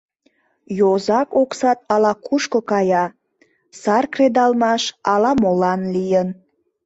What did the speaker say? Йозак оксат ала-кушко кая, сар кредалмаш ала-молан лийын.